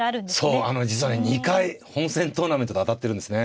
そう実はね２回本戦トーナメントで当たってるんですね。